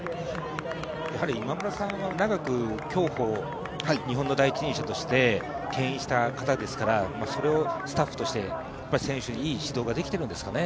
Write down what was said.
今村さんは長く競歩、日本の第一人者としてけん引された方ですからそれをスタッフとして選手にいい指導ができてるんですかね？